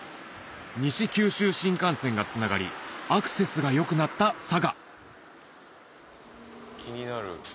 西九州新幹線がつながりアクセスが良くなった佐賀気になる。